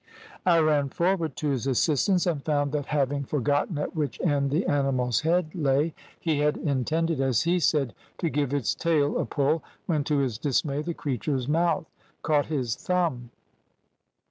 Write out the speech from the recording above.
"I ran forward to his assistance, and found that having forgotten at which end the animal's head lay, he had intended, as he said, to give its tail a pull, when to his dismay the creature's mouth caught his thumb.